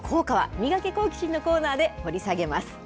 ミガケ、好奇心！のコーナーで掘り下げます。